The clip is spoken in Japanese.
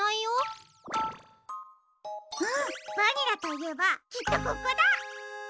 うんバニラといえばきっとここだ！